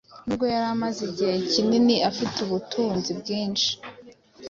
Nubwo yari amaze igihe kinini afite ubutunzi bwinshi